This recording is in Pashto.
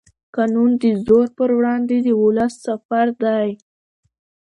قانون د زور پر وړاندې د ولس سپر دی